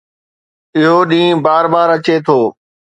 اهو ڏينهن بار بار اچي ٿو